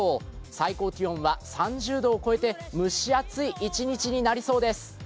最高気温は３０度を超えて蒸し暑い一日になりそうです。